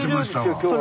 今日は。